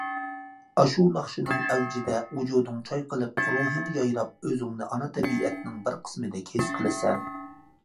ئاشۇ ناخشىنىڭ ئەۋجىدە ۋۇجۇدۇڭ چايقىلىپ، روھىڭ يايراپ ئۆزۈڭنى ئانا تەبىئەتنىڭ بىر قىسمىدەك ھېس قىلىسەن.